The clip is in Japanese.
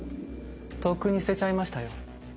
とっくに捨てちゃいましたよ。